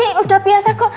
eh udah biasa kok